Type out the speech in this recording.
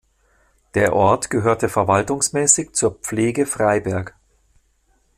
Der Ort gehörte verwaltungsmäßig zur Pflege Freiberg.